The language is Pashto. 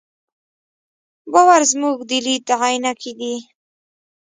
باور زموږ د لید عینکې دي.